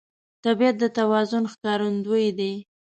طبیعت د توازن ښکارندوی دی.